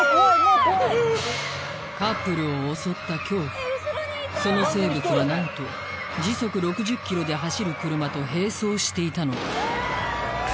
カップルを襲った恐怖その生物は何と時速６０キロで走る車と並走していたのだ